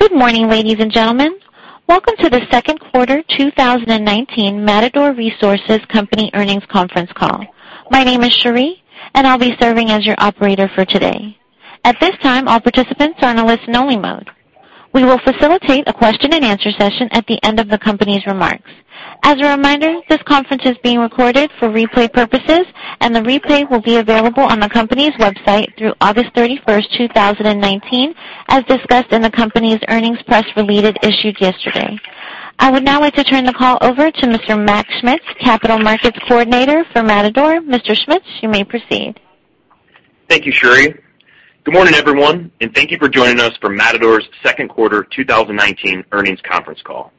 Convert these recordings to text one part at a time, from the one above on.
Good morning, ladies and gentlemen. Welcome to the second quarter 2019 Matador Resources Company earnings conference call. My name is Cherie, and I'll be serving as your operator for today. At this time, all participants are in a listen-only mode. We will facilitate a question and answer session at the end of the company's remarks. As a reminder, this conference is being recorded for replay purposes, and the replay will be available on the company's website through August 31, 2019, as discussed in the company's earnings press release issued yesterday. I would now like to turn the call over to Mr. Mac Schmitz, Capital Markets Coordinator for Matador. Mr. Schmitz, you may proceed. Thank you, Cherie. Good morning, everyone, and thank you for joining us for Matador's second quarter 2019 earnings conference call.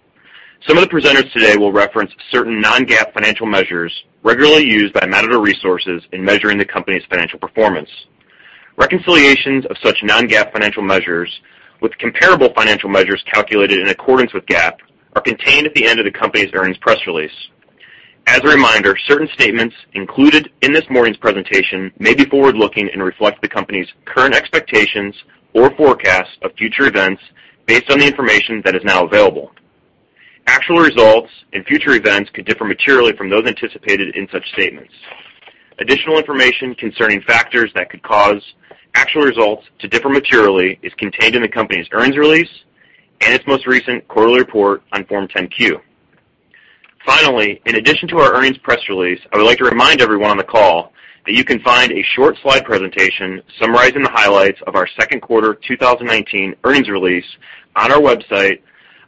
Some of the presenters today will reference certain non-GAAP financial measures regularly used by Matador Resources in measuring the company's financial performance. Reconciliations of such non-GAAP financial measures with comparable financial measures calculated in accordance with GAAP are contained at the end of the company's earnings press release. As a reminder, certain statements included in this morning's presentation may be forward-looking and reflect the company's current expectations or forecasts of future events based on the information that is now available. Actual results and future events could differ materially from those anticipated in such statements. Additional information concerning factors that could cause actual results to differ materially is contained in the company's earnings release and its most recent quarterly report on Form 10-Q. Finally, in addition to our earnings press release, I would like to remind everyone on the call that you can find a short slide presentation summarizing the highlights of our second quarter 2019 earnings release on our website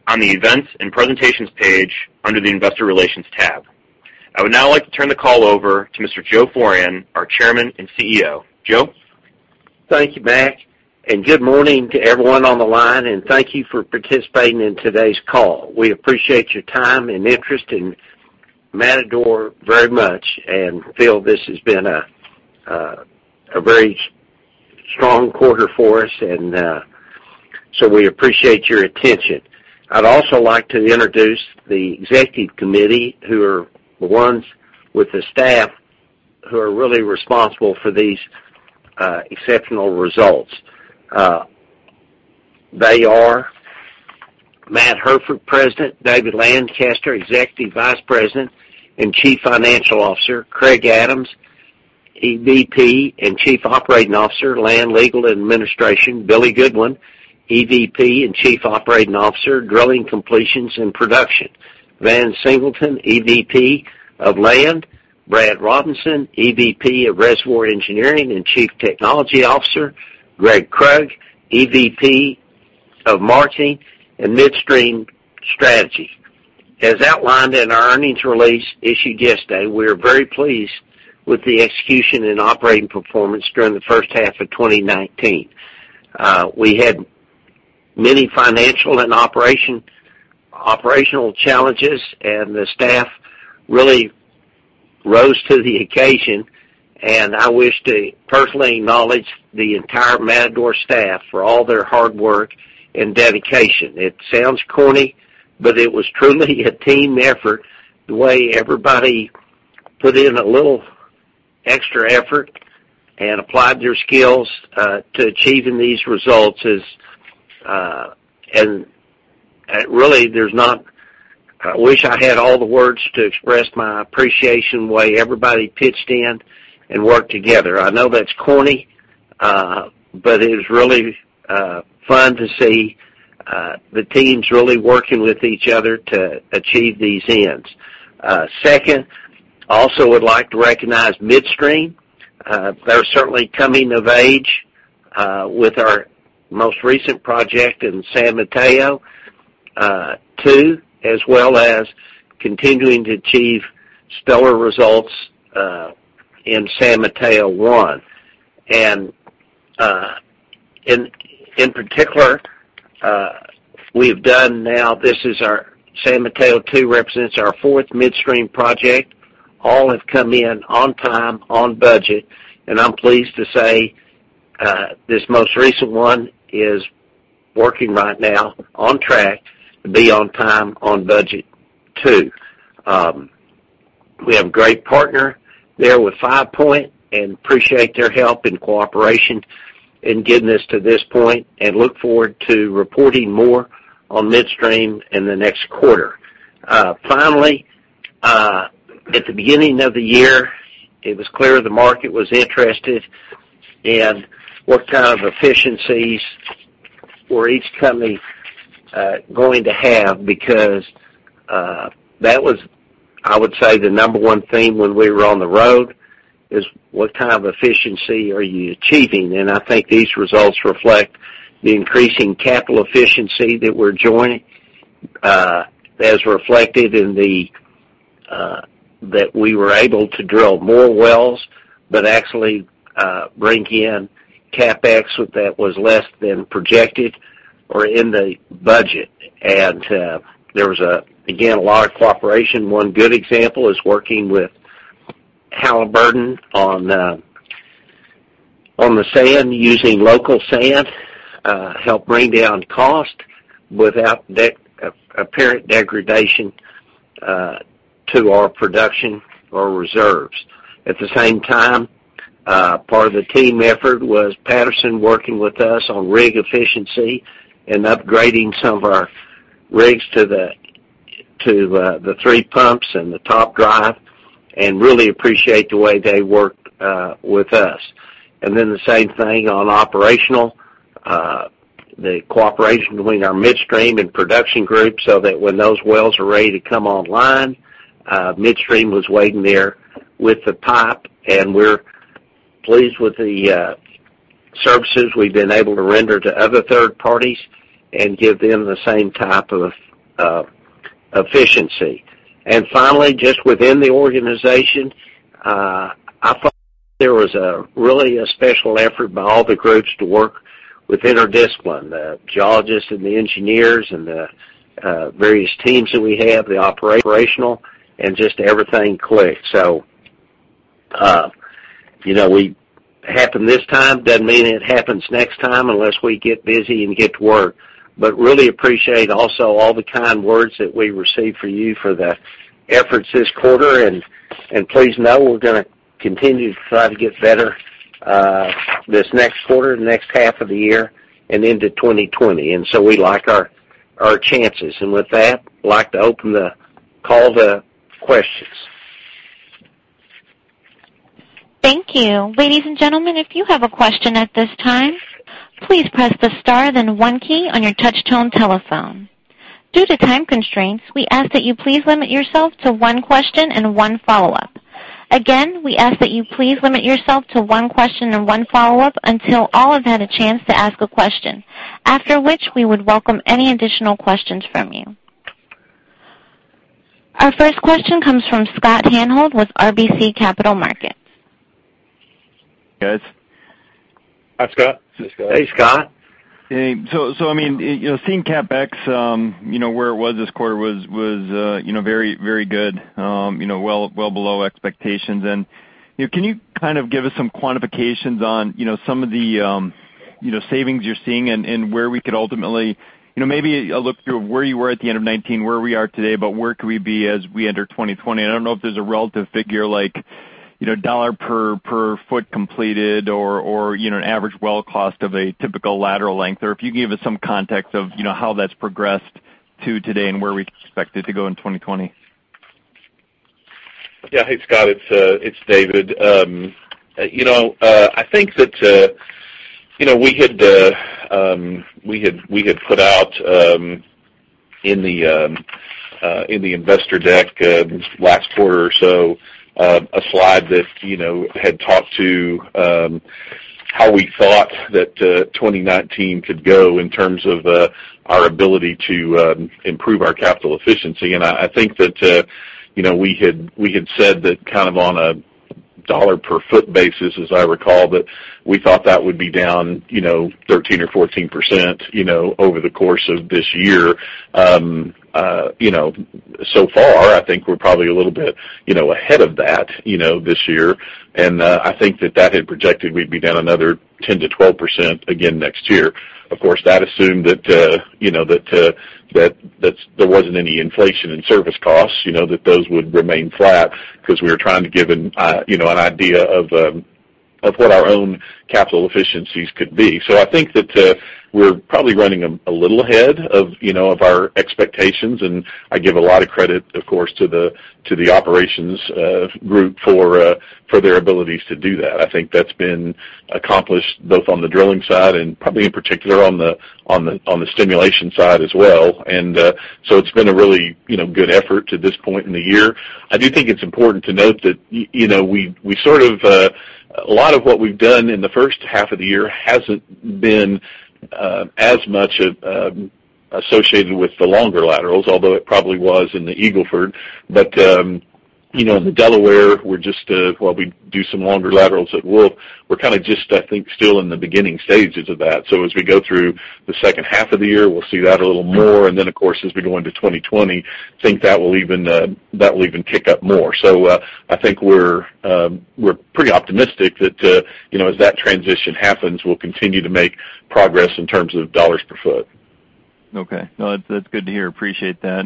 on the Events and Presentations page under the Investor Relations tab. I would now like to turn the call over to Mr. Joe Foran, our Chairman and CEO. Joe? Thank you, Mac, good morning to everyone on the line, and thank you for participating in today's call. We appreciate your time and interest in Matador very much and feel this has been a very strong quarter for us, so we appreciate your attention. I'd also like to introduce the executive committee, who are the ones with the staff who are really responsible for these exceptional results. They are Matt Hairford, President; David Lancaster, Executive Vice President and Chief Financial Officer; Craig Adams, EVP and Chief Operating Officer, Land, Legal, and Administration; Billy Goodwin, EVP and Chief Operating Officer, Drilling, Completions, and Production; Van Singleton, EVP of Land; Brad Robinson, EVP of Reservoir Engineering and Chief Technology Officer; Gregg Krug, EVP of Marketing and Midstream Strategy. As outlined in our earnings release issued yesterday, we are very pleased with the execution and operating performance during the first half of 2019. We had many financial and operational challenges, the staff really rose to the occasion, I wish to personally acknowledge the entire Matador staff for all their hard work and dedication. It sounds corny, it was truly a team effort the way everybody put in a little extra effort and applied their skills to achieving these results. Really, I wish I had all the words to express my appreciation the way everybody pitched in and worked together. I know that's corny, it is really fun to see the teams really working with each other to achieve these ends. Second, also would like to recognize Midstream. They're certainly coming of age with our most recent project in San Mateo II, as well as continuing to achieve stellar results in San Mateo I. In particular, we've done now, San Mateo II represents our fourth midstream project. All have come in on time, on budget. I'm pleased to say this most recent one is working right now on track to be on time, on budget too. We have a great partner there with Five Point and appreciate their help and cooperation in getting us to this point and look forward to reporting more on midstream in the next quarter. Finally, at the beginning of the year, it was clear the market was interested in what kind of efficiencies were each company going to have because that was, I would say, the number 1 theme when we were on the road is what kind of efficiency are you achieving? I think these results reflect the increasing capital efficiency that we're joining as reflected that we were able to drill more wells but actually bring in CapEx that was less than projected or in the budget. There was, again, a lot of cooperation. One good example is working with Halliburton on the sand, using local sand helped bring down cost without apparent degradation to our production or reserves. At the same time, part of the team effort was Patterson working with us on rig efficiency and upgrading some of our rigs to the three pumps and the top drive. Really appreciate the way they worked with us. The same thing on operational, the cooperation between our midstream and production groups, so that when those wells are ready to come online, midstream was waiting there with the pipe, and we're pleased with the services we've been able to render to other third parties and give them the same type of efficiency. Finally, just within the organization, I thought there was really a special effort by all the groups to work within our discipline, the geologists and the engineers, and the various teams that we have, the operational, and just everything clicked. It happened this time, doesn't mean it happens next time unless we get busy and get to work. Really appreciate also all the kind words that we received from you for the efforts this quarter, and please know we're going to continue to try to get better this next quarter, the next half of the year, and into 2020. We like our chances. With that, like to open the call to questions. Thank you. Ladies and gentlemen, if you have a question at this time, please press the star, then one key on your touch tone telephone. Due to time constraints, we ask that you please limit yourself to one question and one follow-up. Again, we ask that you please limit yourself to one question and one follow-up until all have had a chance to ask a question. After which, we would welcome any additional questions from you. Our first question comes from Scott Hanold with RBC Capital Markets. Guys. Hi, Scott. Hey, Scott. Hey, Scott. Hey. Seeing CapEx where it was this quarter was very good. Well below expectations. Can you give us some quantifications on some of the savings you're seeing and where we could ultimately, maybe a look through of where you were at the end of 2019, where we are today, but where could we be as we enter 2020? I don't know if there's a relative figure like dollar per foot completed or an average well cost of a typical lateral length, or if you can give us some context of how that's progressed to today and where we expect it to go in 2020. Hey, Scott, it's David. I think that we had put out in the investor deck last quarter or so, a slide that had talked to how we thought that 2019 could go in terms of our ability to improve our capital efficiency. I think that we had said that on a dollar per foot basis, as I recall, that we thought that would be down 13% or 14% over the course of this year. So far, I think we're probably a little bit ahead of that this year. I think that that had projected we'd be down another 10%-12% again next year. Of course, that assumed that there wasn't any inflation in service costs, that those would remain flat because we were trying to give an idea of what our own capital efficiencies could be. I think that we're probably running a little ahead of our expectations, and I give a lot of credit, of course, to the operations group for their abilities to do that. I think that's been accomplished both on the drilling side and probably in particular on the stimulation side as well. It's been a really good effort to this point in the year. I do think it's important to note that a lot of what we've done in the first half of the year hasn't been as much associated with the longer laterals, although it probably was in the Eagle Ford. In the Delaware, while we do some longer laterals at Wolf, we're just, I think, still in the beginning stages of that. As we go through the second half of the year, we'll see that a little more, and then, of course, as we go into 2020, think that will even kick up more. I think we're pretty optimistic that as that transition happens, we'll continue to make progress in terms of dollars per foot. Okay. No, that's good to hear. Appreciate that.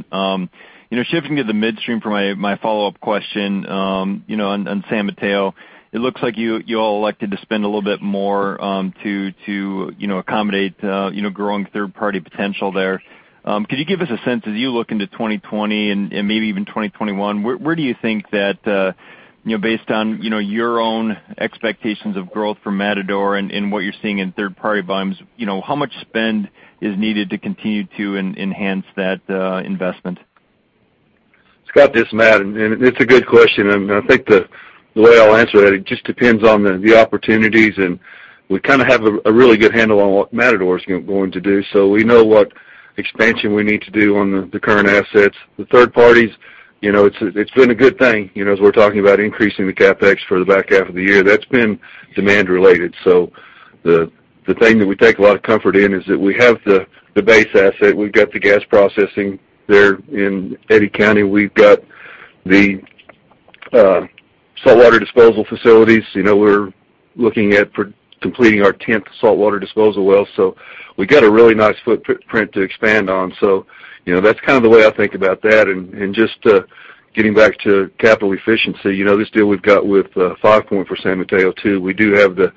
Shifting to the midstream for my follow-up question, on San Mateo, it looks like you all elected to spend a little bit more to accommodate growing third-party potential there. Could you give us a sense as you look into 2020 and maybe even 2021, where do you think that based on your own expectations of growth for Matador and what you're seeing in third-party volumes, how much spend is needed to continue to enhance that investment? Scott, this is Matt. It's a good question. I think the way I'll answer that, it just depends on the opportunities. We have a really good handle on what Matador is going to do. We know what expansion we need to do on the current assets. The third parties, it's been a good thing. As we're talking about increasing the CapEx for the back half of the year, that's been demand related. The thing that we take a lot of comfort in is that we have the base asset, we've got the gas processing there in Eddy County. We've got the saltwater disposal facilities. We're looking at completing our 10th saltwater disposal well, so we got a really nice footprint to expand on. That's the way I think about that. Just getting back to capital efficiency, this deal we've got with Five Point for San Mateo II, we do have the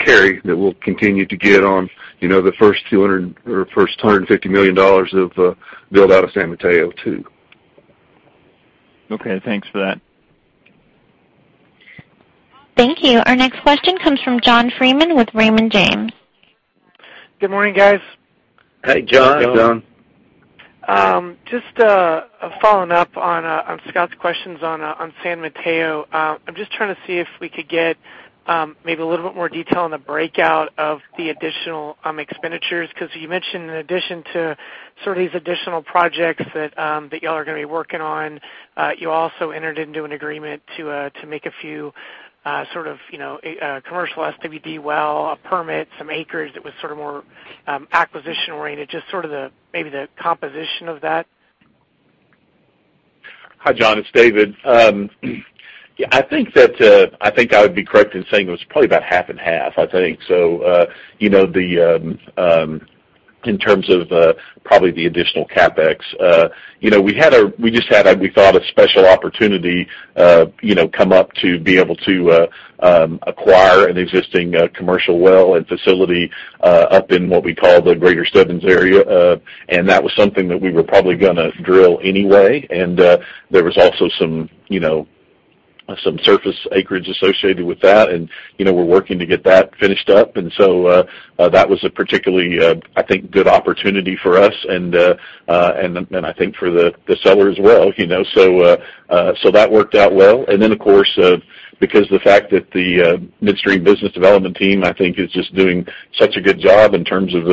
carry that we'll continue to get on the first $250 million of build out of San Mateo II. Okay. Thanks for that. Thank you. Our next question comes from John Freeman with Raymond James. Good morning, guys. Hey, John. Hey, John. Just following up on Scott's questions on San Mateo. I'm just trying to see if we could get maybe a little bit more detail on the breakout of the additional expenditures, because you mentioned in addition to sort of these additional projects that y'all are going to be working on, you also entered into an agreement to make a few sort of commercial SWD well permits, some acres that was sort of more acquisition oriented, just sort of maybe the composition of that? Hi, John, it's David. I think I would be correct in saying it was probably about half and half, I think, in terms of probably the additional CapEx. We thought a special opportunity come up to be able to acquire an existing commercial well and facility up in what we call the Greater Stebbins area. That was something that we were probably going to drill anyway. There was also some surface acreage associated with that, and we're working to get that finished up. That was a particularly, I think, good opportunity for us and I think for the seller as well. That worked out well. Of course, because the fact that the midstream business development team, I think, is just doing such a good job in terms of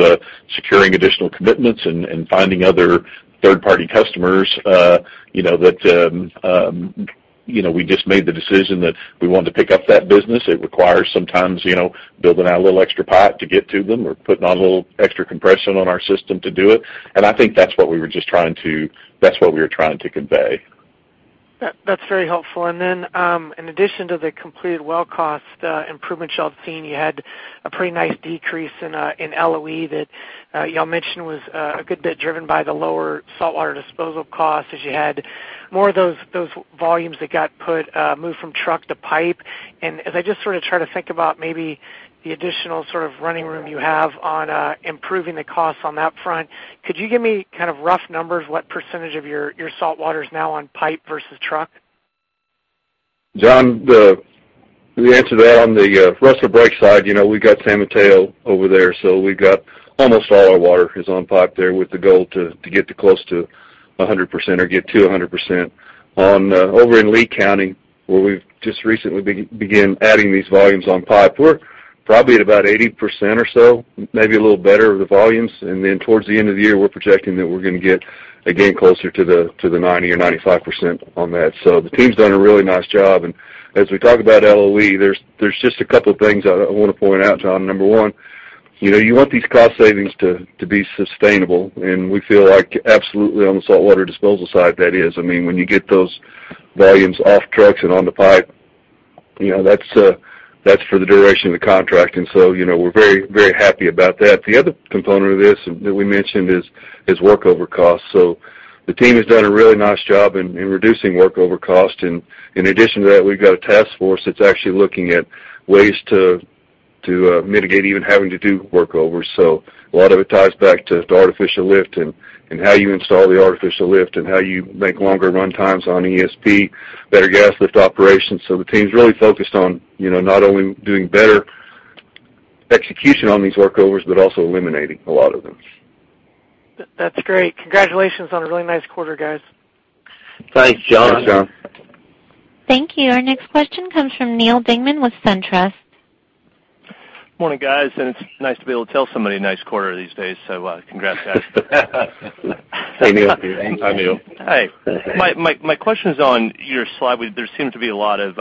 securing additional commitments and finding other third-party customers that we just made the decision that we wanted to pick up that business. It requires sometimes building out a little extra pipe to get to them or putting on a little extra compression on our system to do it. I think that's what we were trying to convey. That's very helpful. In addition to the completed well cost improvements y'all have seen, you had a pretty nice decrease in LOE that y'all mentioned was a good bit driven by the lower saltwater disposal cost as you had more of those volumes that got moved from truck to pipe. As I just sort of try to think about maybe the additional sort of running room you have on improving the costs on that front, could you give me kind of rough numbers what percentage of your saltwater is now on pipe versus truck? John, the answer to that on the Rustler Breaks side, we've got San Mateo over there, so we've got almost all our water is on pipe there with the goal to get to close to 100% or get to 100%. Over in Lea County, where we've just recently began adding these volumes on pipe, we're probably at about 80% or so, maybe a little better of the volumes. Towards the end of the year, we're projecting that we're going to get again closer to the 90% or 95% on that. The team's done a really nice job. As we talk about LOE, there's just a couple of things I want to point out, John. Number one, you want these cost savings to be sustainable, and we feel like absolutely on the saltwater disposal side, that is. I mean, when you get those volumes off trucks and on the pipe, that's for the duration of the contract. We're very happy about that. The other component of this that we mentioned is workover costs. The team has done a really nice job in reducing workover cost. In addition to that, we've got a task force that's actually looking at ways to mitigate even having to do workovers. A lot of it ties back to artificial lift and how you install the artificial lift and how you make longer run times on ESP, better gas lift operations. The team's really focused on not only doing better execution on these workovers, but also eliminating a lot of them. That's great. Congratulations on a really nice quarter, guys. Thanks, John. Thanks, John. Thank you. Our next question comes from Neal Dingmann with SunTrust. Morning, guys. It's nice to be able to tell somebody nice quarter these days. Congrats, guys. Hey, Neal. Hi, Neal. Hi. My question is on your slide. There seems to be a lot of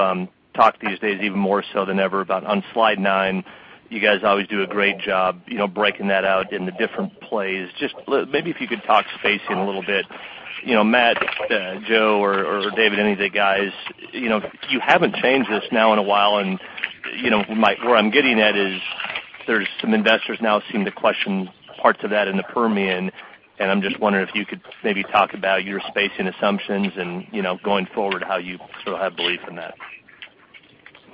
talk these days, even more so than ever about on slide nine. You guys always do a great job breaking that out into different plays. Just maybe if you could talk spacing a little bit. Matt, Joe, or David, any of the guys. You haven't changed this now in a while. Where I'm getting at is there's some investors now seem to question parts of that in the Permian, I'm just wondering if you could maybe talk about your spacing assumptions and going forward, how you still have belief in that.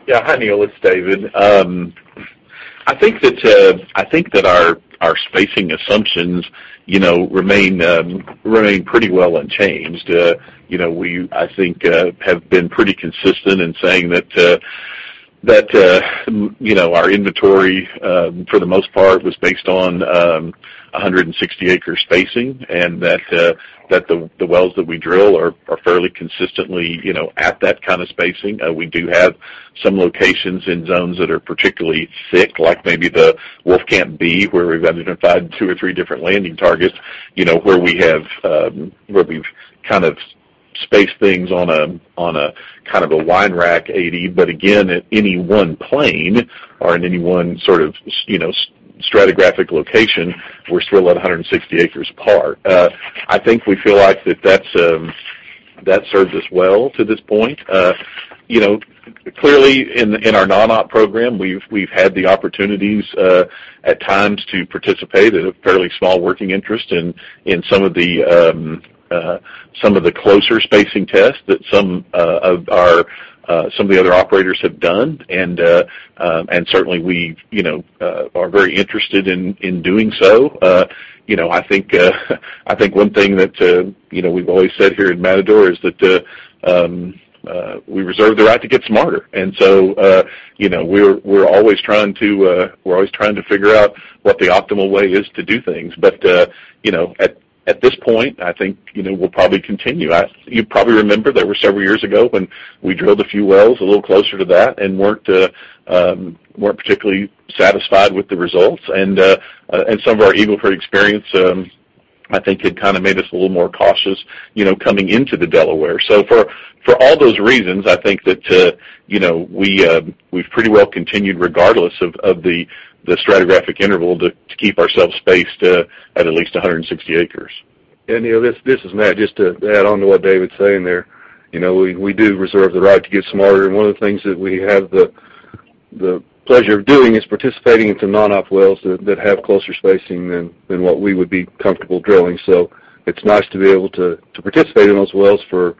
Yeah. Hi, Neal. It's David. I think that our spacing assumptions remain pretty well unchanged. We, I think, have been pretty consistent in saying that our inventory, for the most part, was based on 160-acre spacing and that the wells that we drill are fairly consistently at that kind of spacing. We do have some locations in zones that are particularly thick, like maybe the Wolfcamp B, where we've identified two or three different landing targets, where we've kind of spaced things on a kind of a wine rack 80. Again, at any one plane or in any one sort of stratigraphic location, we're still at 160 acres apart. I think we feel like that serves us well to this point. Clearly, in our non-op program, we've had the opportunities, at times, to participate at a fairly small working interest in some of the closer spacing tests that some of the other operators have done. Certainly, we are very interested in doing so. I think one thing that we've always said here at Matador is that we reserve the right to get smarter. So we're always trying to figure out what the optimal way is to do things. At this point, I think we'll probably continue. You probably remember there were several years ago when we drilled a few wells a little closer to that and weren't particularly satisfied with the results. Some of our Eagle Ford experience, I think, had made us a little more cautious coming into the Delaware. For all those reasons, I think that we've pretty well continued, regardless of the stratigraphic interval, to keep ourselves spaced at least 160 acres. This is Matt. Just to add on to what David's saying there. We do reserve the right to get smarter, and one of the things that we have the pleasure of doing is participating into non-op wells that have closer spacing than what we would be comfortable drilling. It's nice to be able to participate in those wells for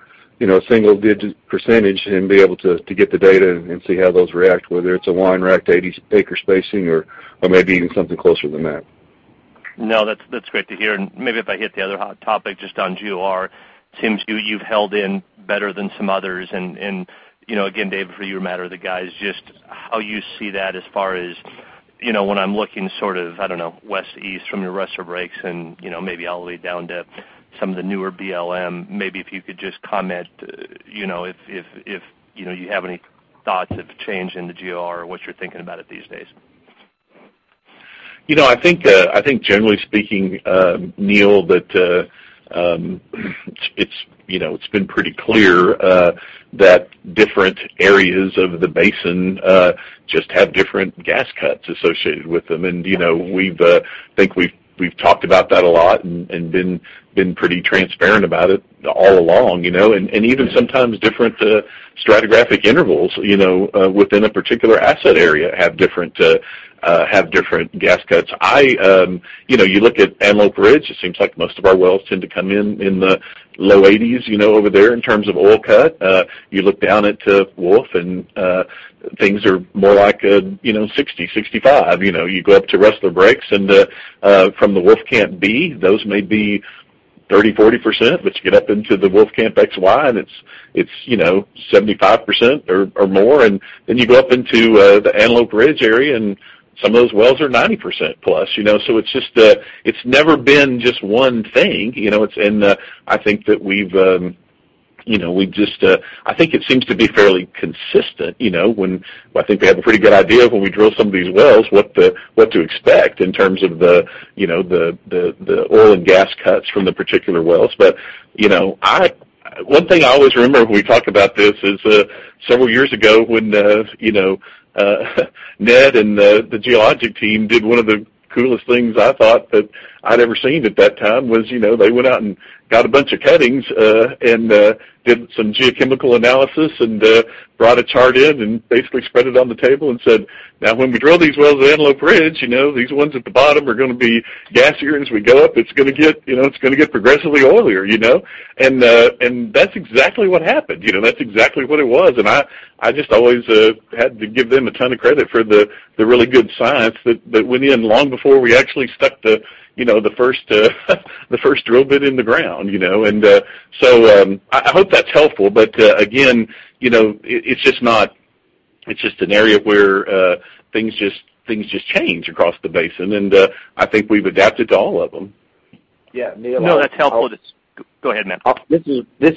a single-digit percentage and be able to get the data and see how those react, whether it's a wine rack spacing or maybe even something closer than that. No, that's great to hear. Maybe if I hit the other hot topic just on GOR, it seems you've held in better than some others. Again, David, for you or Matt or the guys, just how you see that as far as when I'm looking sort of, I don't know, west to east from your Rustler Breaks and maybe all the way down to some of the newer BLM. Maybe if you could just comment if you have any thoughts of change in the GOR or what you're thinking about it these days. I think generally speaking, Neal, it's been pretty clear that different areas of the basin just have different gas cuts associated with them. We've talked about that a lot and been pretty transparent about it all along. Even sometimes different stratigraphic intervals within a particular asset area have different gas cuts. You look at Antelope Ridge, it seems like most of our wells tend to come in the low 80s over there in terms of oil cut. You look down at Wolf, things are more like 60%-65%. You go up to Rustler Breaks, from the Wolfcamp B, those may be 30%-40%, you get up into the Wolfcamp XY, it's 75% or more. You go up into the Antelope Ridge area, some of those wells are 90%+. It's never been just one thing. I think it seems to be fairly consistent when I think we have a pretty good idea of when we drill some of these wells, what to expect in terms of the oil and gas cuts from the particular wells. One thing I always remember when we talk about this is several years ago when Ned and the geologic team did one of the coolest things I thought that I'd ever seen at that time was they went out and got a bunch of cuttings, and did some geochemical analysis, and brought a chart in, and basically spread it on the table and said, "Now, when we drill these wells at Antelope Ridge, these ones at the bottom are going to be gassier. As we go up, it's going to get progressively oilier." That's exactly what happened. That's exactly what it was, and I just always had to give them a ton of credit for the really good science that went in long before we actually stuck the first drill bit in the ground. I hope that's helpful, but again, it's just an area where things just change across the basin, and I think we've adapted to all of them. Yeah, Neal. No, that's helpful. Go ahead. This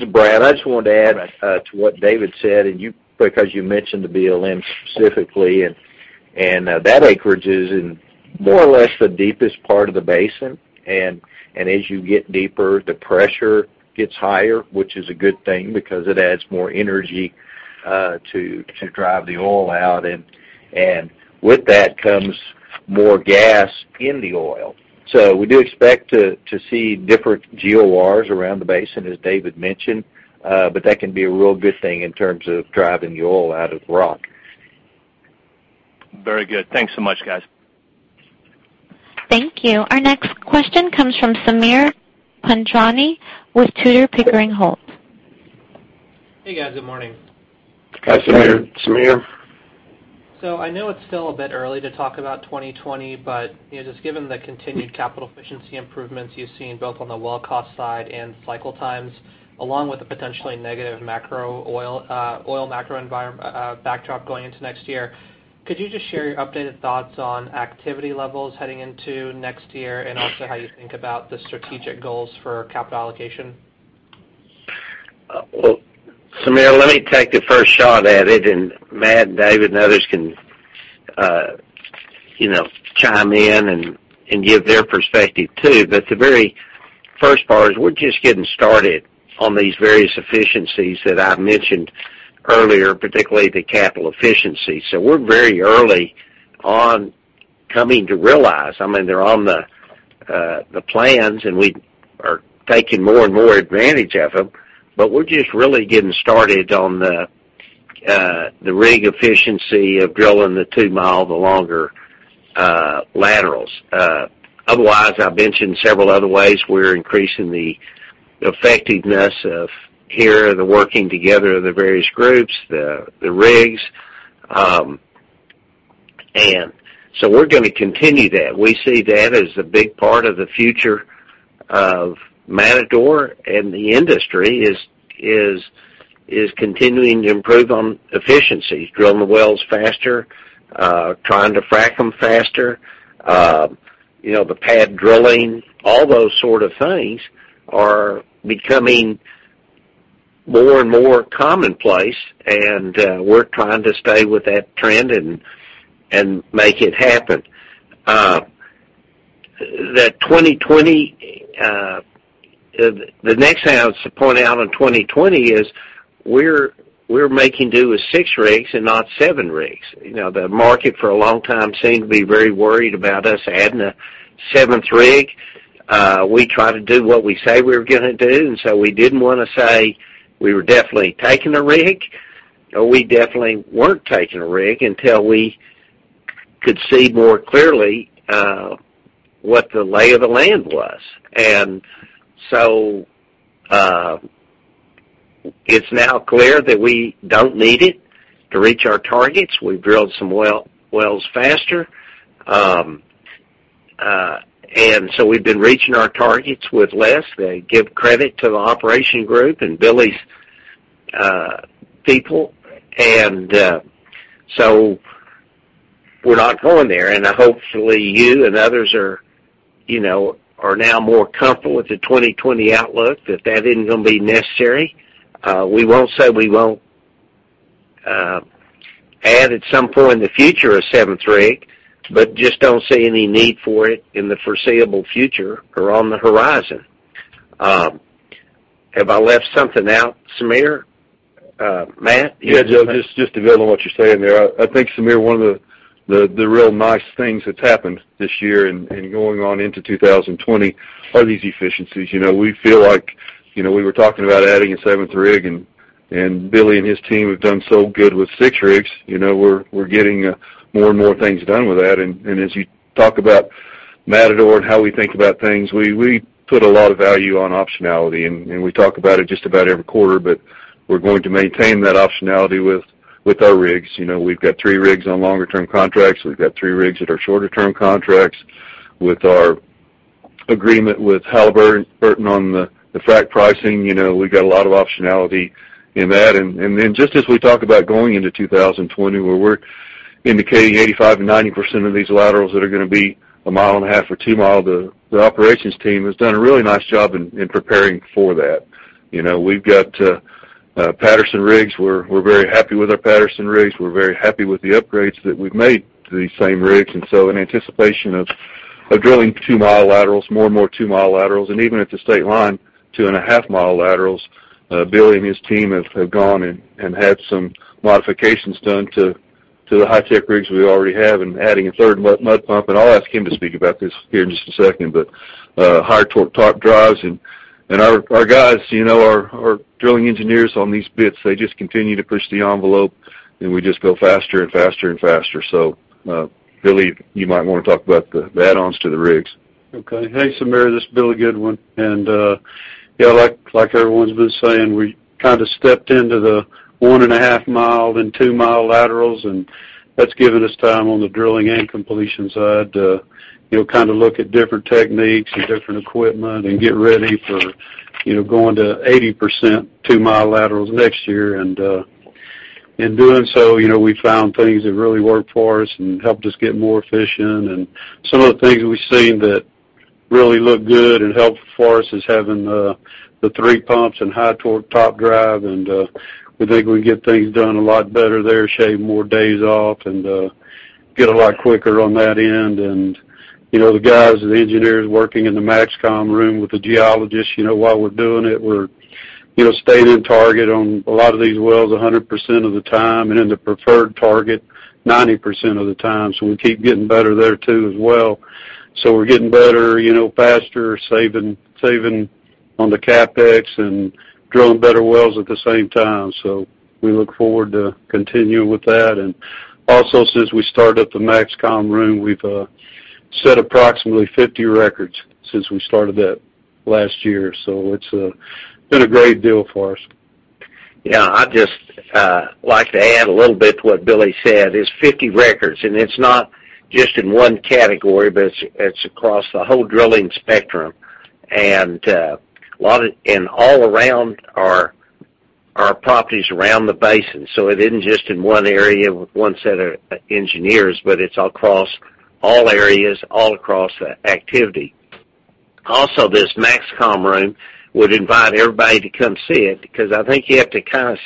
is Brad. To add to what David said, and because you mentioned the BLM specifically, and that acreage is in more or less the deepest part of the basin. As you get deeper, the pressure gets higher, which is a good thing because it adds more energy to drive the oil out, and with that comes more gas in the oil. We do expect to see different GORs around the basin, as David mentioned. That can be a real good thing in terms of driving the oil out of the rock. Very good. Thanks so much, guys. Thank you. Our next question comes from Sameer Panjwani with Tudor, Pickering, Holt. Hey, guys. Good morning. Hi, Sameer. I know it's still a bit early to talk about 2020, but just given the continued capital efficiency improvements you've seen both on the well cost side and cycle times, along with the potentially negative oil macro backdrop going into next year, could you just share your updated thoughts on activity levels heading into next year, and also how you think about the strategic goals for capital allocation? Well, Sameer, let me take the first shot at it, and Matt, David, and others can chime in and give their perspective too. The very first part is we're just getting started on these various efficiencies that I mentioned earlier, particularly the capital efficiency. We're very early on coming to realize, they're on the plans, and we are taking more and more advantage of them, but we're just really getting started on the rig efficiency of drilling the 2 mi, the longer laterals. Otherwise, I mentioned several other ways we're increasing the effectiveness of here, the working together of the various groups, the rigs. We're going to continue that. We see that as a big part of the future of Matador and the industry is continuing to improve on efficiencies, drilling the wells faster, trying to frack them faster, the pad drilling, all those sort of things are becoming more and more commonplace, and we're trying to stay with that trend and make it happen. The next thing I was to point out on 2020 is we're making do with 6 rigs and not 7 rigs. The market for a long time seemed to be very worried about us adding a seventh rig. We try to do what we say we were going to do, and so we didn't want to say we were definitely taking a rig, or we definitely weren't taking a rig until we could see more clearly what the lay of the land was. It's now clear that we don't need it to reach our targets. We drilled some wells faster. We've been reaching our targets with less. They give credit to the operation group and Billy's people. We're not going there, and hopefully you and others are now more comfortable with the 2020 outlook, that that isn't going to be necessary. We won't say we won't add at some point in the future, a seventh rig, but just don't see any need for it in the foreseeable future or on the horizon. Have I left something out, Sameer? Matt? Yeah, Joe, just to build on what you're saying there, I think, Sameer, one of the real nice things that's happened this year and going on into 2020 are these efficiencies. We feel like we were talking about adding a seventh rig. Billy and his team have done so good with six rigs. We're getting more and more things done with that. As you talk about Matador and how we think about things, we put a lot of value on optionality, and we talk about it just about every quarter. We're going to maintain that optionality with our rigs. We've got three rigs on longer term contracts. We've got three rigs that are shorter term contracts with our agreement with Halliburton on the frack pricing. We've got a lot of optionality in that. Just as we talk about going into 2020, where we're indicating 85% and 90% of these laterals that are going to be a 1.5 mi or 2 mi, the operations team has done a really nice job in preparing for that. We've got Patterson rigs. We're very happy with our Patterson rigs. We're very happy with the upgrades that we've made to these same rigs. In anticipation of drilling 2-mi laterals, more and more 2-mi laterals, and even at the state line, 2.5 mi laterals, Billy and his team have gone and had some modifications done to the high-tech rigs we already have and adding a third mud pump. I'll ask him to speak about this here in just a second. Higher torque top drives and our guys, our drilling engineers on these bits, they just continue to push the envelope, and we just go faster and faster and faster. Billy, you might want to talk about the add-ons to the rigs. Okay. Hey, Sameer. This is Billy Goodwin. Like everyone's been saying, we stepped into the 1.5 mi then 2-mi laterals, and that's given us time on the drilling and completion side to look at different techniques and different equipment and get ready for going to 80% 2-mi laterals next year. In doing so, we found things that really worked for us and helped us get more efficient. Some of the things we've seen that really look good and helpful for us is having the three pumps and high torque top drive, and we think we can get things done a lot better there, shave more days off, and get a lot quicker on that end. The guys, the engineers working in the MAXCOM room with the geologists, while we're doing it, we're staying in target on a lot of these wells 100% of the time and in the preferred target 90% of the time. We keep getting better there too as well. We're getting better, faster, saving on the CapEx and drilling better wells at the same time. We look forward to continuing with that. Also, since we started up the MAXCOM room, we've set approximately 50 records since we started that last year. It's been a great deal for us. Yeah, I'd just like to add a little bit to what Billy said, is 50 records. It's not just in one category, but it's across the whole drilling spectrum and all around our properties around the basin. It isn't just in one area with one set of engineers, but it's across all areas, all across activity. Also, this MAXCOM room, would invite everybody to come see it because I think you have to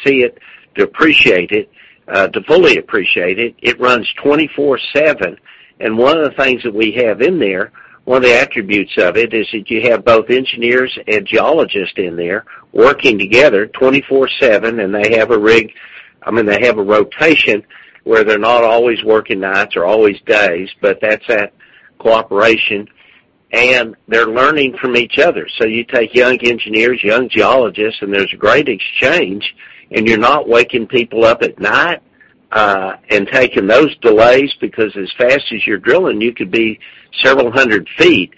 see it to appreciate it, to fully appreciate it. It runs 24/7. One of the things that we have in there, one of the attributes of it, is that you have both engineers and geologists in there working together 24/7. They have a rotation where they're not always working nights or always days, that's at cooperation, they're learning from each other. You take young engineers, young geologists, and there's a great exchange, and you're not waking people up at night, and taking those delays, because as fast as you're drilling, you could be several hundred feet.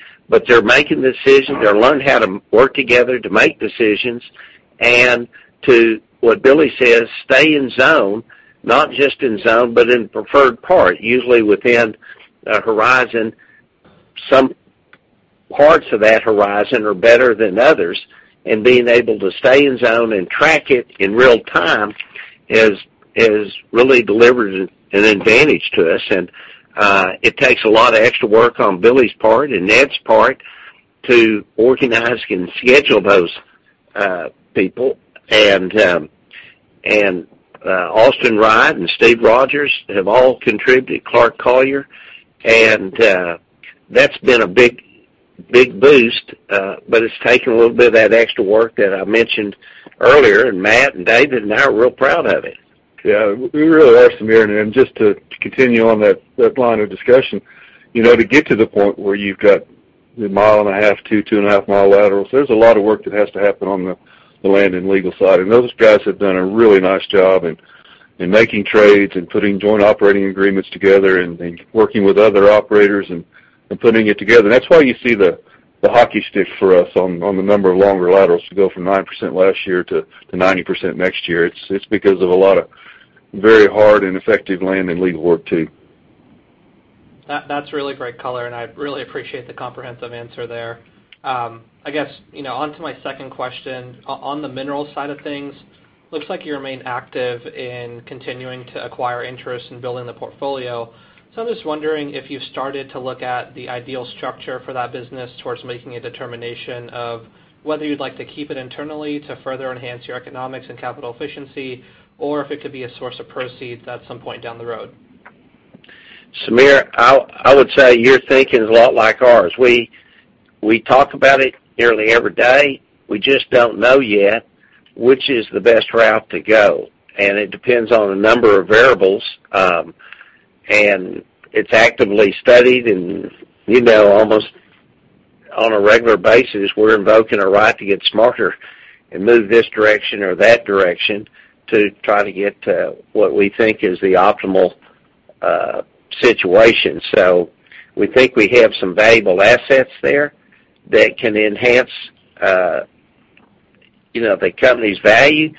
They're making decisions. They're learning how to work together to make decisions and to, what Billy says, stay in zone, not just in zone, but in preferred part, usually within a horizon. Some parts of that horizon are better than others, and being able to stay in zone and track it in real time has really delivered an advantage to us. It takes a lot of extra work on Billy's part and Ned's part to organize and schedule those people. Austin Wright and Steve Rogers have all contributed, Clark Collier, and that's been a big boost. It's taken a little bit of that extra work that I mentioned earlier, and Matt and David and I are real proud of it. Yeah, we really are, Sameer. Just to continue on that line of discussion, to get to the point where you've got the 1.5 mi-2.5 mi laterals, there's a lot of work that has to happen on the land and legal side. And those guys have done a really nice job in making trades and putting joint operating agreements together and working with other operators and putting it together. That's why you see the hockey stick for us on the number of longer laterals to go from 9% last year to 90% next year. It's because of a lot of very hard and effective land and legal work, too. That's really great color. I really appreciate the comprehensive answer there. I guess, onto my second question. On the minerals side of things, looks like you remain active in continuing to acquire interest in building the portfolio. I'm just wondering if you've started to look at the ideal structure for that business towards making a determination of whether you'd like to keep it internally to further enhance your economics and capital efficiency, or if it could be a source of proceeds at some point down the road. Sameer, I would say your thinking is a lot like ours. We talk about it nearly every day. We just don't know yet which is the best route to go, it depends on a number of variables. It's actively studied, and almost on a regular basis, we're invoking a right to get smarter and move this direction or that direction to try to get to what we think is the optimal situation. We think we have some valuable assets there that can enhance the company's value.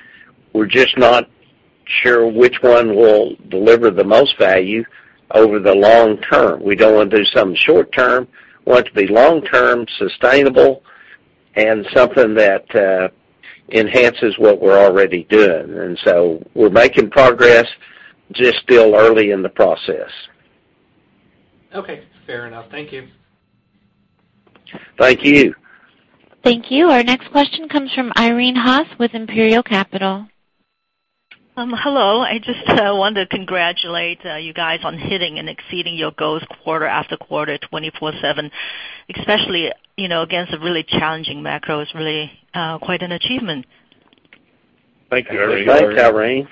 We're just not sure which one will deliver the most value over the long term. We don't want to do something short term. We want it to be long term, sustainable, and something that enhances what we're already doing. We're making progress, just still early in the process. Okay, fair enough. Thank you. Thank you. Thank you. Our next question comes from Irene Haas with Imperial Capital. Hello. I just want to congratulate you guys on hitting and exceeding your goals quarter after quarter, 24/7, especially against a really challenging macro. It is really quite an achievement. Thank you, Irene. Thanks, Irene.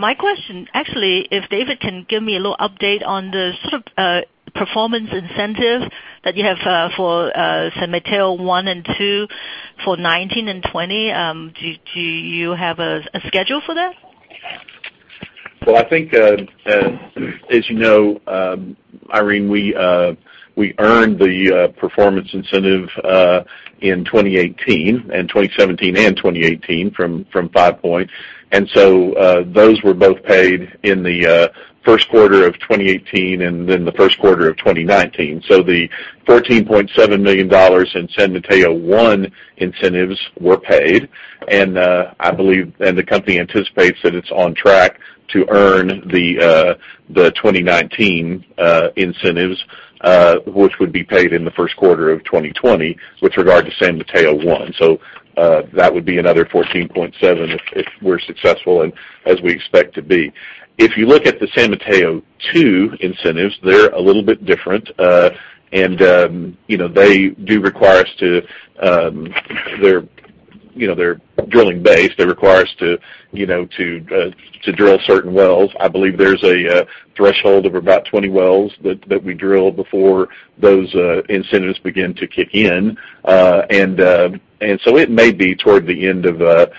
My question, actually, if David can give me a little update on the performance incentive that you have for San Mateo I and II for 2019 and 2020. Do you have a schedule for that? I think, as you know, Irene, we earned the performance incentive in 2018, in 2017 and 2018 from Five Point. Those were both paid in the first quarter of 2018 and then the first quarter of 2019. The $14.7 million in San Mateo I incentives were paid. The company anticipates that it's on track to earn the 2019 incentives, which would be paid in the first quarter of 2020 with regard to San Mateo I. That would be another $14.7 if we're successful, and as we expect to be. If you look at the San Mateo II incentives, they're a little bit different. They're drilling based. They require us to drill certain wells. I believe there's a threshold of about 20 wells that we drill before those incentives begin to kick in. It may be toward the end of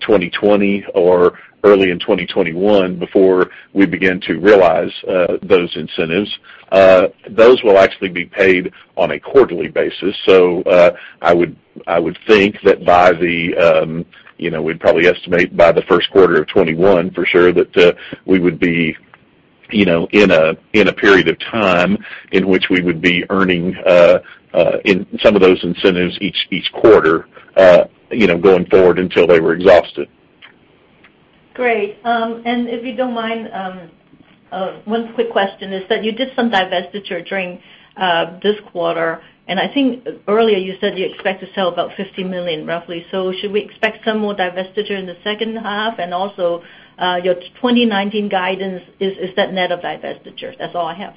2020 or early in 2021 before we begin to realize those incentives. Those will actually be paid on a quarterly basis. I would think that we'd probably estimate by the first quarter of 2021 for sure that we would be in a period of time in which we would be earning some of those incentives each quarter going forward until they were exhausted. Great. If you don't mind, one quick question is that you did some divestiture during this quarter, and I think earlier you said you expect to sell about $50 million roughly. Should we expect some more divestiture in the second half? Also, your 2019 guidance, is that net of divestiture? That's all I have.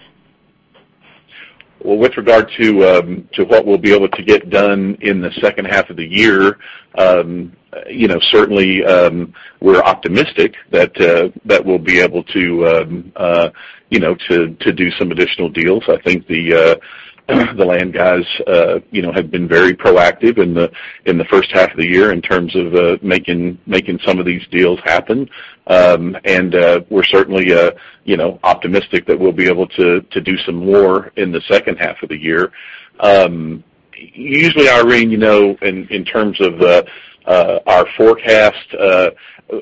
Well, with regard to what we'll be able to get done in the second half of the year, certainly, we're optimistic that we'll be able to do some additional deals. I think the land guys have been very proactive in the first half of the year in terms of making some of these deals happen. We're certainly optimistic that we'll be able to do some more in the second half of the year. Usually, Irene, in terms of our forecast,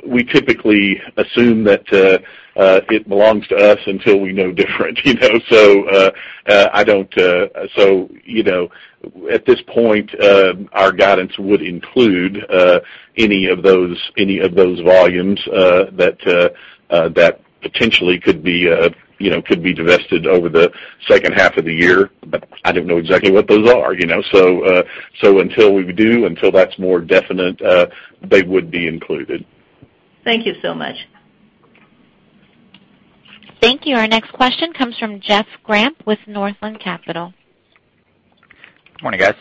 we typically assume that it belongs to us until we know different. At this point, our guidance would include any of those volumes that potentially could be divested over the second half of the year. I don't know exactly what those are. Until we do, until that's more definite, they would be included. Thank you so much. Thank you. Our next question comes from Jeff Grampp with Northland Capital. Morning, guys.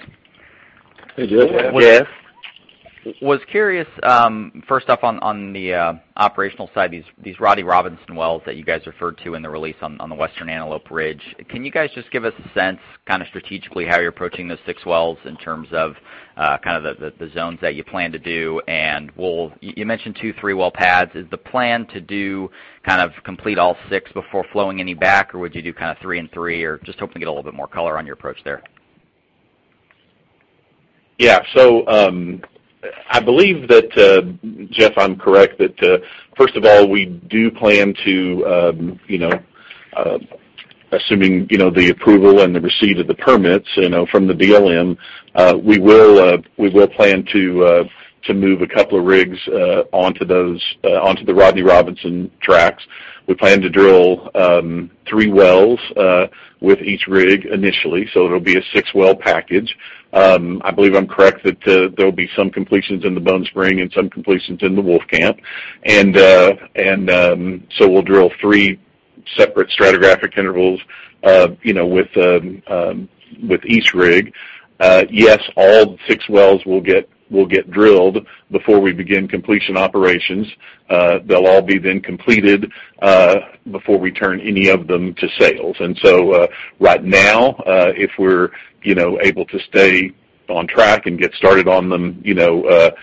Hey, Jeff. Hey, Jeff. Was curious, first off on the operational side, these Rodney Robinson wells that you guys referred to in the release on the Western Antelope Ridge, can you guys just give us a sense, strategically, how you're approaching those six wells in terms of the zones that you plan to do? You mentioned two, three well pads. Is the plan to complete all six before flowing any back, or would you do three and three, just hoping to get a little bit more color on your approach there? Yeah. I believe that, Jeff, I'm correct, that first of all, we do plan to, assuming the approval and the receipt of the permits from the BLM, we will plan to move a couple of rigs onto the Rodney Robinson tracts. We plan to drill three wells with each rig initially. It'll be a six-well package. I believe I'm correct that there'll be some completions in the Bone Spring and some completions in the Wolfcamp. We'll drill three separate stratigraphic intervals with each rig. Yes, all six wells will get drilled before we begin completion operations. They'll all be then completed before we turn any of them to sales. Right now, if we're able to stay on track and get started on them early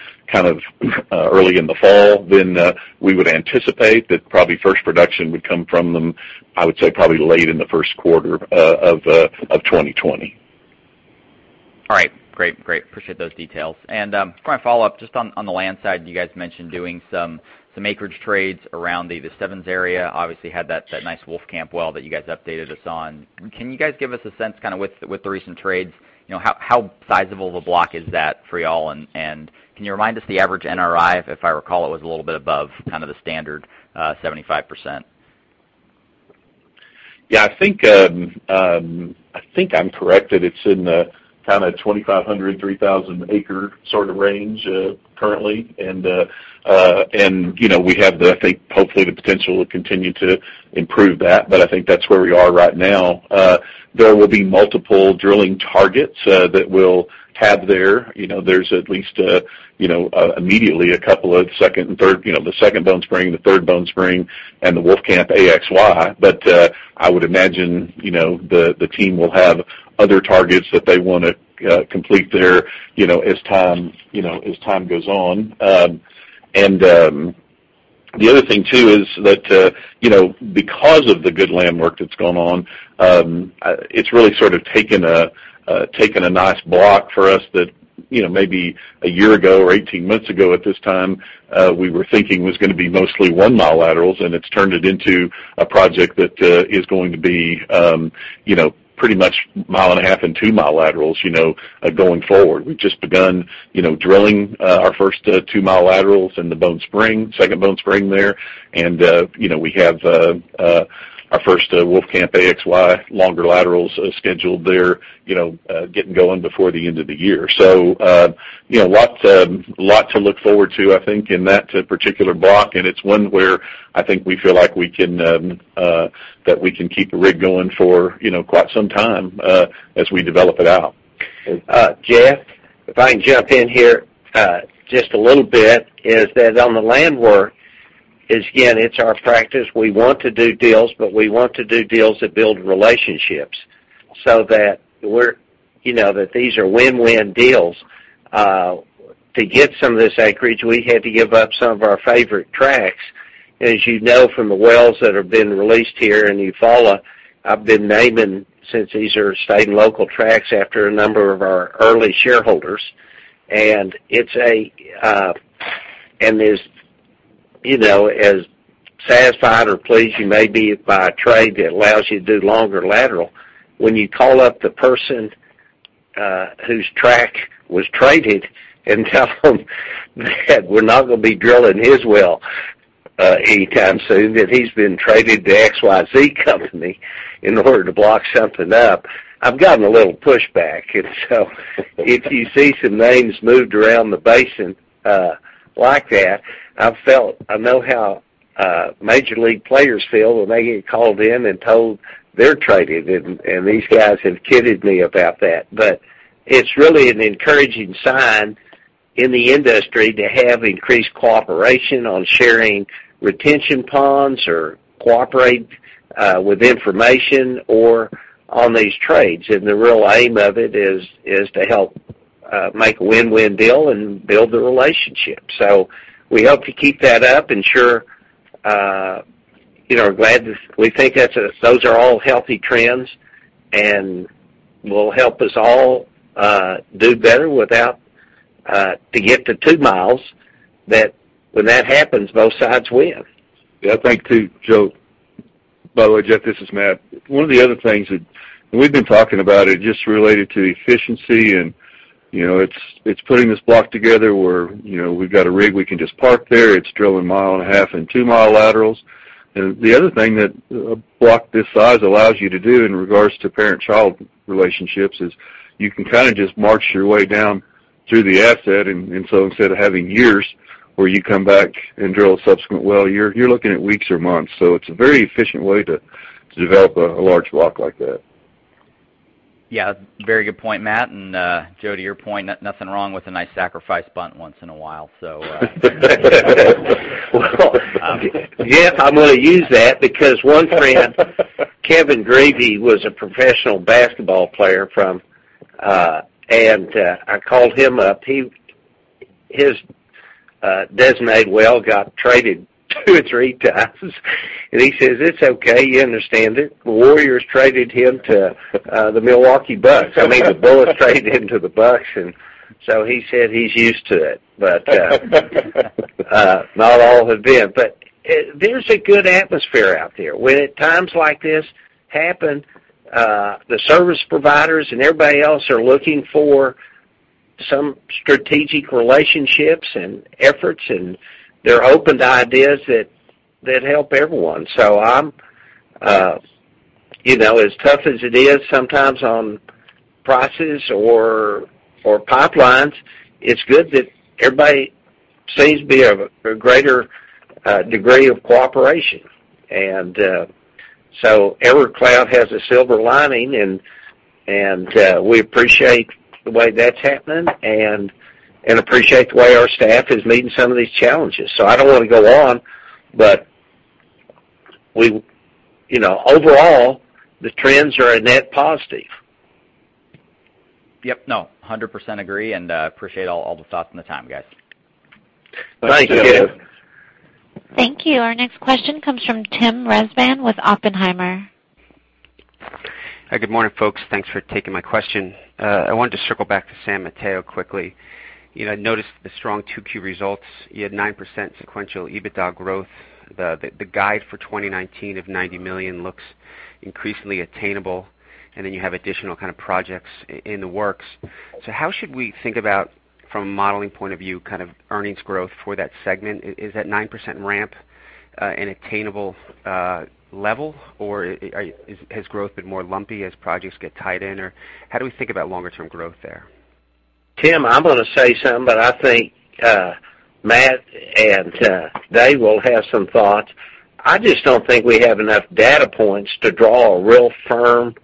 in the fall, then we would anticipate that probably first production would come from them, I would say, probably late in the first quarter of 2020. All right. Great. Appreciate those details. Quick follow-up just on the land side, you guys mentioned doing some acreage trades around the Stebbins area. Obviously had that nice Wolfcamp well that you guys updated us on. Can you guys give us a sense with the recent trades, how sizable of a block is that for you all, and can you remind us the average NRI? If I recall, it was a little bit above the standard 75%. Yeah, I think I'm correct that it's in the 2,500, 3,000 acre sort of range currently. We have, I think, hopefully the potential to continue to improve that, but I think that's where we are right now. There will be multiple drilling targets that we'll have there. There's at least immediately a couple of second and third, the Second Bone Spring, the Third Bone Spring, and the Wolfcamp AXY. I would imagine the team will have other targets that they want to complete there as time goes on. The other thing, too, is that because of the good land work that's gone on, it's really sort of taken a nice block for us that maybe a year ago or 18 months ago at this time, we were thinking was gonna be mostly 1-mi laterals, and it's turned it into a project that is going to be pretty much 1.5 mi and 2-mi laterals going forward. We've just begun drilling our first 2-mi laterals in the Bone Spring, second Bone Spring there. We have our first Wolfcamp AXY longer laterals scheduled there, getting going before the end of the year. A lot to look forward to, I think, in that particular block, and it's one where I think we feel like that we can keep a rig going for quite some time as we develop it out. Jeff, if I can jump in here just a little bit, is that on the land work, is again, it's our practice, we want to do deals, but we want to do deals that build relationships so that these are win-win deals. To get some of this acreage, we had to give up some of our favorite tracts. As you know from the wells that have been released here in Eufaula, I've been naming, since these are state and local tracts, after a number of our early shareholders. As satisfied or pleased you may be by a trade that allows you to do longer lateral, when you call up the person whose tract was traded and tell them that we're not gonna be drilling his well anytime soon, that he's been traded to XYZ company in order to block something up, I've gotten a little pushback. If you see some names moved around the basin like that. I know how major league players feel when they get called in and told they're traded, and these guys have kidded me about that. It's really an encouraging sign in the industry to have increased cooperation on sharing retention ponds or cooperate with information or on these trades. The real aim of it is to help make a win-win deal and build the relationship. We hope to keep that up, and sure, we think those are all healthy trends and will help us all do better to get to 2 mi, that when that happens, both sides win. Yeah, I think too, Joe. By the way, Jeff, this is Matt. One of the other things that we've been talking about is just related to efficiency. It's putting this block together where we've got a rig we can just park there. It's drilling 1.5 mi and 2-mi laterals. The other thing that a block this size allows you to do in regards to parent-child relationships is you can just march your way down through the asset. Instead of having years where you come back and drill a subsequent well, you're looking at weeks or months. It's a very efficient way to develop a large block like that. Yeah, very good point, Matt. Joe, to your point, nothing wrong with a nice sacrifice bunt once in a while. Well, yeah, I'm going to use that because one friend, Kevin Grevey, was a professional basketball player from and I called him up. His designated well got traded two or three times. He says, "It's okay. You understand it." The Warriors traded him to the Milwaukee Bucks. I mean, the Bullets traded him to the Bucks. He said he's used to it. Not all have been. There's a good atmosphere out there. When at times like this happen, the service providers and everybody else are looking for some strategic relationships and efforts. They're open to ideas that help everyone. As tough as it is sometimes on prices or pipelines, it's good that everybody seems to be of a greater degree of cooperation. Every cloud has a silver lining, and we appreciate the way that's happening and appreciate the way our staff is meeting some of these challenges. I don't want to go on, but overall, the trends are a net positive. Yep. No. 100% agree and appreciate all the thoughts and the time, guys. Thanks, Joe. Thank you. Thank you. Our next question comes from Tim Rezvan with Oppenheimer. Hi. Good morning, folks. Thanks for taking my question. I wanted to circle back to San Mateo quickly. I noticed the strong 2Q results. You had 9% sequential EBITDA growth. The guide for 2019 of $90 million looks increasingly attainable, then you have additional projects in the works. How should we think about, from a modeling point of view, earnings growth for that segment? Is that 9% ramp an attainable level, or has growth been more lumpy as projects get tied in? How do we think about longer-term growth there? Tim, I'm going to say something, but I think Matt and Dave will have some thoughts. I just don't think we have enough data points to draw a real firm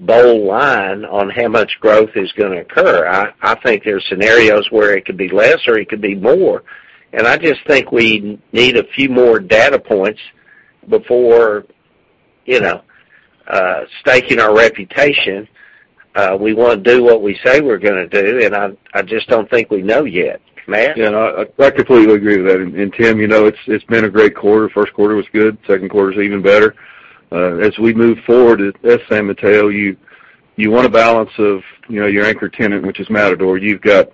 bold line on how much growth is going to occur. I think there are scenarios where it could be less or it could be more. I just think we need a few more data points before staking our reputation. We want to do what we say we're gonna do, and I just don't think we know yet. Matt? Yeah, no, I completely agree with that. Tim, it's been a great quarter. First quarter was good, second quarter is even better. As we move forward, at San Mateo, you want a balance of your anchor tenant, which is Matador. You've got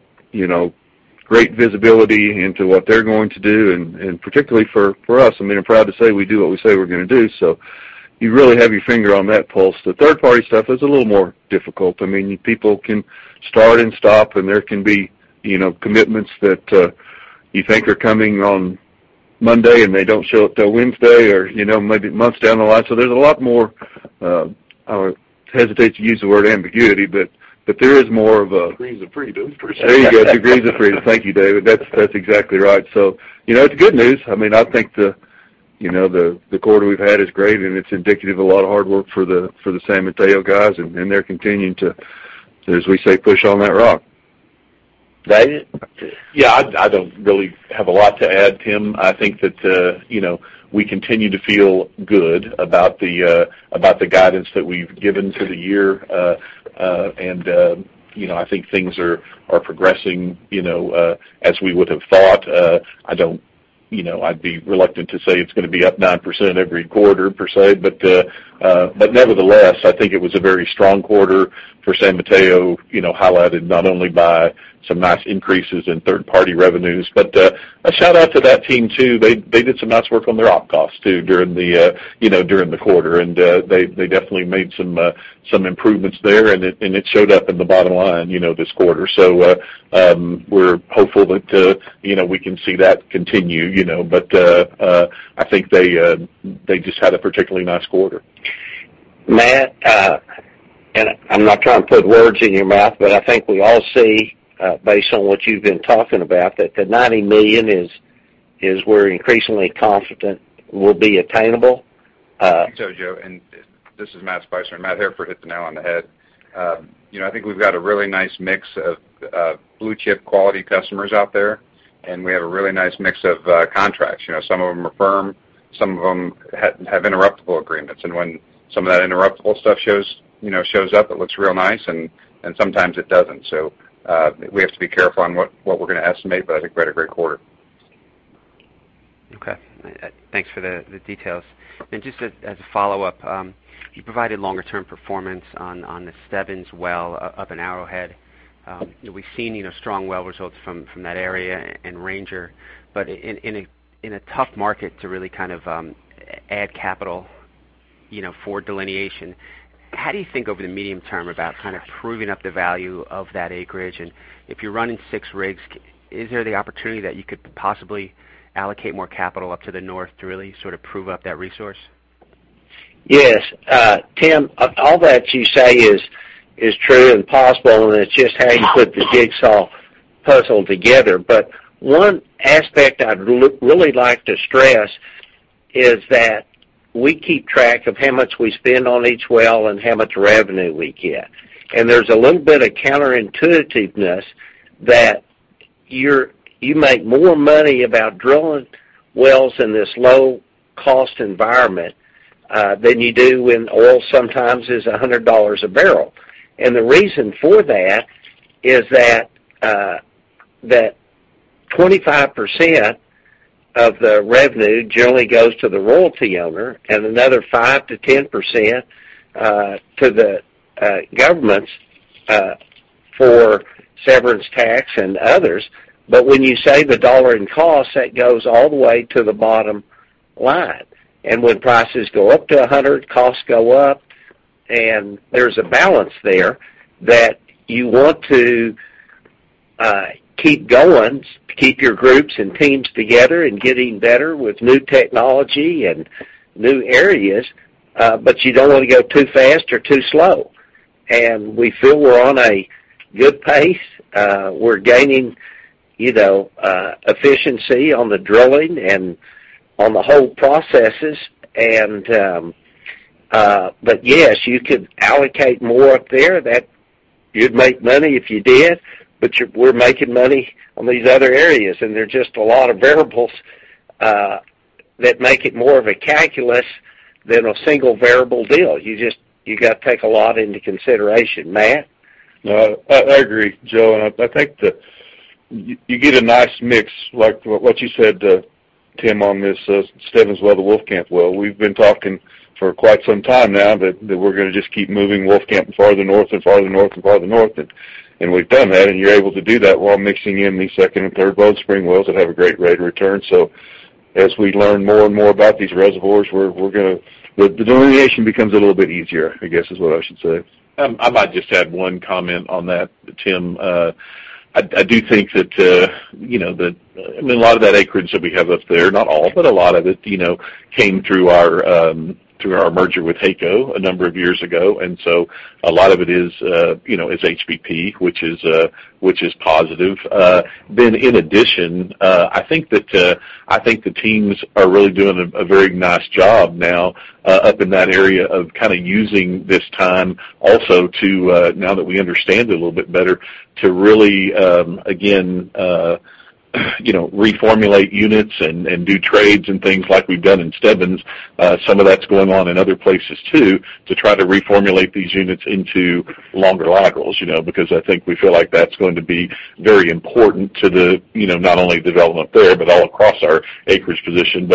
great visibility into what they're going to do, and particularly for us, I'm proud to say we do what we say we're gonna do. You really have your finger on that pulse. The third-party stuff is a little more difficult. People can start and stop, and there can be commitments that you think are coming on Monday and they don't show up till Wednesday or maybe months down the line. There's a lot more, I hesitate to use the word ambiguity, but there is more of a. Degrees of freedom, per se. There you go. Degrees of freedom. Thank you, David. That's exactly right. It's good news. I think the quarter we've had is great, and it's indicative of a lot of hard work for the San Mateo guys, and they're continuing to, as we say, push on that rock. Dave? Yeah, I don't really have a lot to add, Tim. I think that we continue to feel good about the guidance that we've given to the year. I think things are progressing as we would have thought. I'd be reluctant to say it's going to be up 9% every quarter per se. Nevertheless, I think it was a very strong quarter for San Mateo, highlighted not only by some nice increases in third-party revenues. A shout-out to that team too. They did some nice work on their op costs too during the quarter, and they definitely made some improvements there, and it showed up in the bottom line this quarter. We're hopeful that we can see that continue. I think they just had a particularly nice quarter. Matt, and I'm not trying to put words in your mouth, but I think we all see, based on what you've been talking about, that the $90 million is we're increasingly confident will be attainable. Thanks, Joe. This is Matt Spicer. Matt Hairford hit the nail on the head. I think we've got a really nice mix of blue-chip quality customers out there, and we have a really nice mix of contracts. Some of them are firm, some of them have interruptible agreements. When some of that interruptible stuff shows up, it looks real nice, and sometimes it doesn't. We have to be careful on what we're going to estimate, but I think we had a great quarter. Okay. Thanks for the details. Just as a follow-up, you provided longer-term performance on the Stebbins well up in Arrowhead. We've seen strong well results from that area and Ranger, but in a tough market to really add capital for delineation. How do you think over the medium term about proving up the value of that acreage? If you're running six rigs, is there the opportunity that you could possibly allocate more capital up to the north to really prove up that resource? Yes, Tim, all that you say is true and possible, and it's just how you put the jigsaw puzzle together. One aspect I'd really like to stress is that we keep track of how much we spend on each well and how much revenue we get. There's a little bit of counterintuitiveness that you make more money about drilling wells in this low-cost environment than you do when oil sometimes is $100 a barrel. The reason for that is that 25% of the revenue generally goes to the royalty owner and another 5%-10% to the governments for severance tax and others. When you save $1 in cost, that goes all the way to the bottom line. When prices go up to 100, costs go up, and there's a balance there that you want to keep going, keep your groups and teams together and getting better with new technology and new areas. You don't want to go too fast or too slow. We feel we're on a good pace. We're gaining efficiency on the drilling and on the whole processes. Yes, you could allocate more up there, that you'd make money if you did, but we're making money on these other areas, and there are just a lot of variables that make it more of a calculus than a single variable deal. You got to take a lot into consideration. Matt? No, I agree, Joe. I think that you get a nice mix like what you said, Tim, on this Stebbins well, the Wolfcamp well. We've been talking for quite some time now that we're going to just keep moving Wolfcamp farther north and farther north and farther north, and we've done that, and you're able to do that while mixing in these second and third Bone Spring wells that have a great rate of return. As we learn more and more about these reservoirs, the delineation becomes a little bit easier, I guess, is what I should say. I might just add one comment on that, Tim. I do think that, I mean, a lot of that acreage that we have up there, not all, but a lot of it came through our merger with HEYCO a number of years ago. A lot of it is HBP, which is positive. In addition, I think the teams are really doing a very nice job now up in that area of using this time also to, now that we understand it a little bit better, to really, again, reformulate units and do trades and things like we've done in Stebbins. Some of that's going on in other places too, to try to reformulate these units into longer laterals because I think we feel like that's going to be very important to the, not only development there, but all across our acreage position.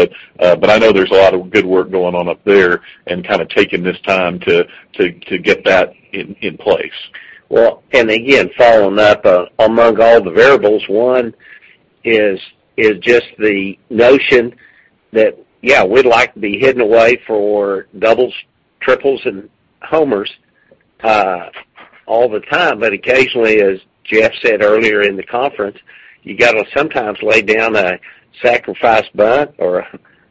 I know there's a lot of good work going on up there and taking this time to get that in place. Well, and again, following up, among all the variables, one is just the notion that, yeah, we'd like to be hitting away for doubles, triples, and homers all the time, but occasionally, as Jeff said earlier in the conference, you got to sometimes lay down a sacrifice bunt or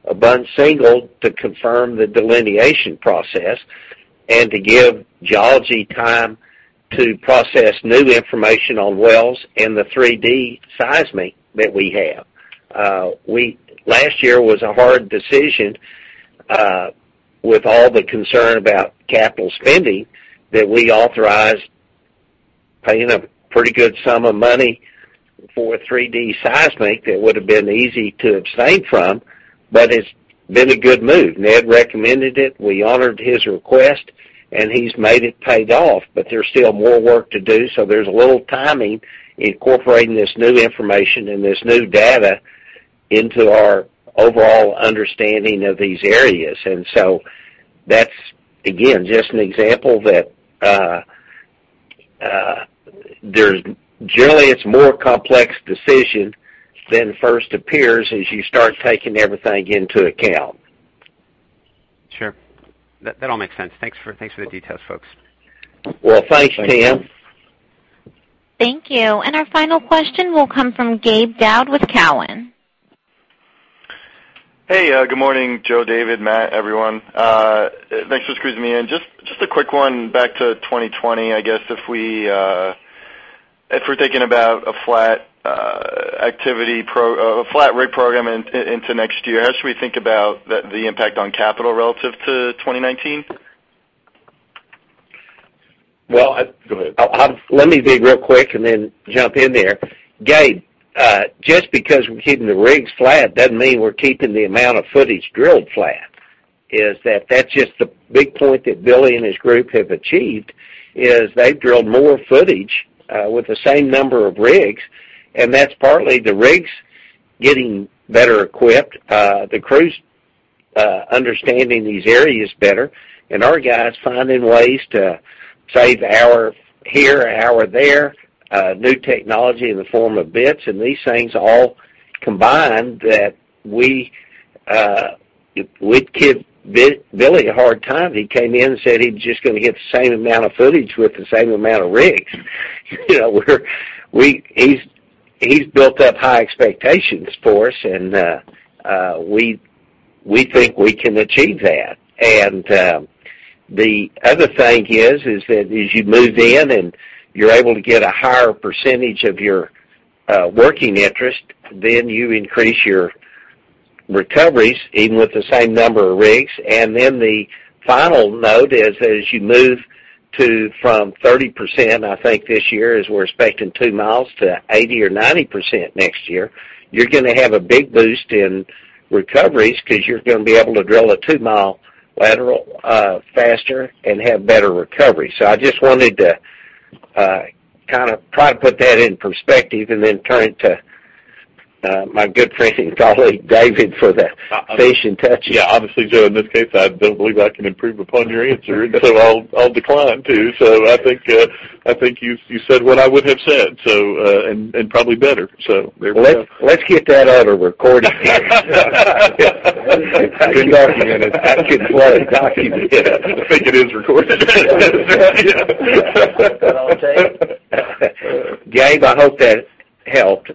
a bunt single to confirm the delineation process and to give geology time to process new information on wells and the 3D seismic that we have. Last year was a hard decision, with all the concern about capital spending, that we authorized paying a pretty good sum of money for a 3D seismic that would've been easy to abstain from, but it's been a good move. Ned recommended it, we honored his request, and he's made it paid off. There's still more work to do, so there's a little timing incorporating this new information and this new data into our overall understanding of these areas. That's, again, just an example that generally it's a more complex decision than first appears as you start taking everything into account. Sure. That all makes sense. Thanks for the details, folks. Well, thanks, Tim. Thank you. Our final question will come from Gabe Daoud with Cowen. Hey, good morning, Joe, David, Matt, everyone. Thanks for squeezing me in. Just a quick one back to 2020. I guess if we're thinking about a flat rate program into next year, how should we think about the impact on capital relative to 2019? Go ahead. Let me be real quick and then jump in there. Gabe, just because we're keeping the rigs flat doesn't mean we're keeping the amount of footage drilled flat, is that that's just the big point that Billy and his group have achieved, is they've drilled more footage with the same number of rigs. That's partly the rigs getting better equipped, the crews understanding these areas better, and our guys finding ways to save a hour here, a hour there, new technology in the form of bits. These things all combined that we give Billy a hard time. He came in and said he was just going to get the same amount of footage with the same amount of rigs. He's built up high expectations for us, we think we can achieve that. The other thing is that as you move in and you're able to get a higher percentage of your working interest, then you increase your recoveries even with the same number of rigs. The final note is that as you move to from 30%, I think this year, as we're expecting 2 mi, to 80% or 90% next year, you're going to have a big boost in recoveries because you're going to be able to drill a 2-mi lateral faster and have better recovery. I just wanted to try to put that in perspective and then turn it to my good friend and colleague, David, for the patient touch. Yeah. Obviously, Joe, in this case, I don't believe I can improve upon your answer. I'll decline to. I think you said what I would have said, and probably better. There we go. Let's get that on a recording. Document it. I think you want to document it. Yes. I think it is recorded. Gabe, I hope that helped.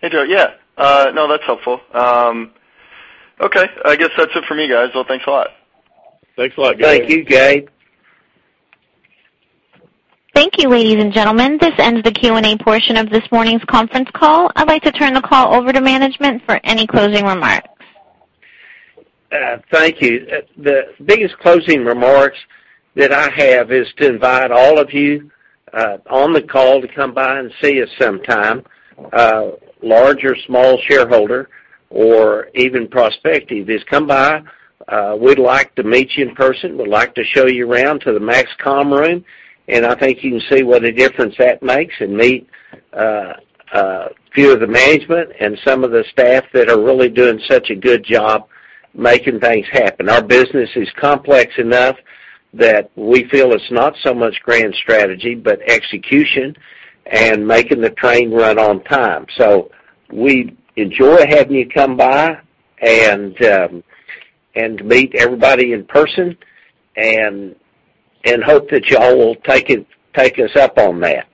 Hey, Joe. Yeah. No, that's helpful. Okay, I guess that's it for me, guys. Well, thanks a lot. Thanks a lot, Gabe. Thank you, Gabe. Thank you, ladies and gentlemen. This ends the Q&A portion of this morning's conference call. I'd like to turn the call over to management for any closing remarks. Thank you. The biggest closing remarks that I have is to invite all of you on the call to come by and see us sometime, large or small shareholder, or even prospective, is come by. We'd like to meet you in person. We'd like to show you around to the MAXCOM room, and I think you can see what a difference that makes, and meet a few of the management and some of the staff that are really doing such a good job making things happen. Our business is complex enough that we feel it's not so much grand strategy, but execution and making the train run on time. We'd enjoy having you come by and meet everybody in person, and hope that you all will take us up on that.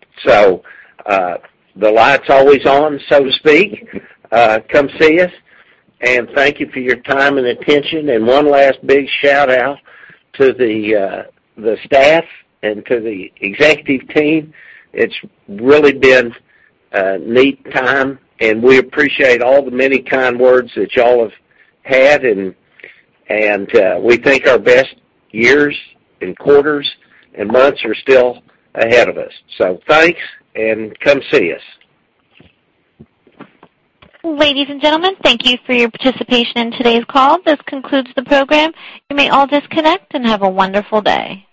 The light's always on, so to speak. Come see us. Thank you for your time and attention. One last big shout-out to the staff and to the executive team. It's really been a neat time, and we appreciate all the many kind words that you all have had, and we think our best years and quarters and months are still ahead of us. Thanks, and come see us. Ladies and gentlemen, thank you for your participation in today's call. This concludes the program. You may all disconnect, and have a wonderful day.